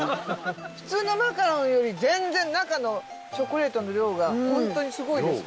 普通のマカロンより全然中のチョコレートの量が本当にすごいです。